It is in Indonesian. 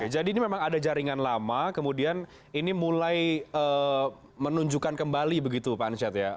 jadi ini memang ada jaringan lama kemudian ini mulai menunjukkan kembali begitu pak anca